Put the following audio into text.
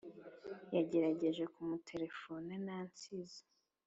yagerageje kumuterefona nta ntsinzi.